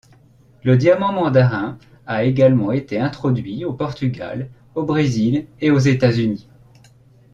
Le diamant mandarin a également été introduit au Portugal, au Brésil et aux États-Unis.